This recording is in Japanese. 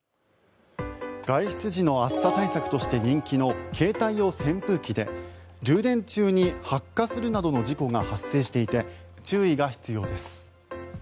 外出時の暑さ対策として人気の携帯用扇風機で充電中に発火するなどの事故が発生していて注意が必要です。